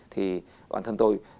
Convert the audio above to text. thì bản thân tôi